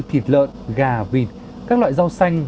thịt lợn gà vịt các loại rau xanh